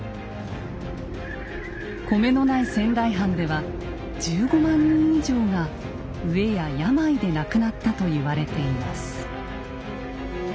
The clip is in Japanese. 米のない仙台藩では１５万人以上が飢えや病で亡くなったと言われています。